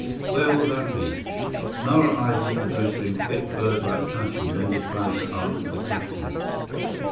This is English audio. "Where will that be?" Nara eyed Mr. Brewster in quick, birdlike fashion, then decided to answer the question.